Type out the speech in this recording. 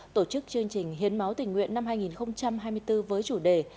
tổ chức chương trình hiến máu tình nguyện năm hai nghìn hai mươi bốn với chủ đề